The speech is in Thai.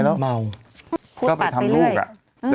ก็ไปทำลูกอะ